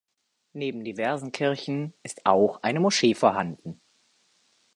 Neben diversen Kirchen ist auch eine Moschee vorhanden.